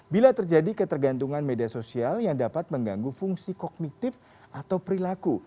bila terjadi ketergantungan media sosial yang dapat mengganggu fungsi kognitif atau perilaku